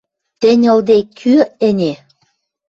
Тӹнь ылде, кӱ ӹне?!